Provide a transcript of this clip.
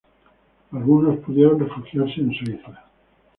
Algunos pudieron refugiarse en Suiza.